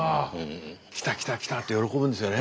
来た来た来たって喜ぶんですよね。